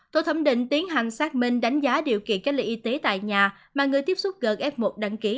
tổ thẩm định tiến hành xác minh đánh giá điều kiện cách ly y tế tại nhà mà người tiếp xúc gần f một đăng ký